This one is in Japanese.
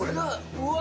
うわ